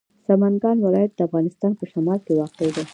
سمنګان ولایت د افغانستان په شمال کې واقع دی.